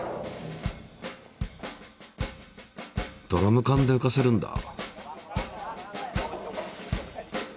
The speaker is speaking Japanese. ドラムかんでうかせるんだ。